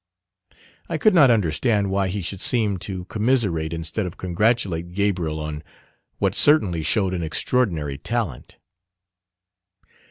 I could not understand why he should seem to commiserate instead of congratulate Gabriel on what certainly showed an extraordinary talent.